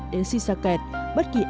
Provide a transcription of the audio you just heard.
đến si sa kẹt